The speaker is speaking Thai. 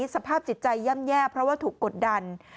สภาพจิตใจย่ำแย่เพราะว่าถูกกดดัน